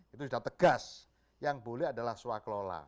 itu sudah tegas yang boleh adalah swaklola